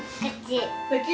こっち。